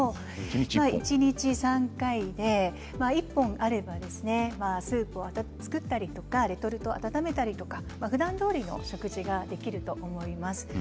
一日３回で１本あればスープを作ったりレトルトを温めたりふだんどおりの食事ができると思います。